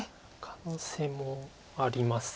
可能性もあります。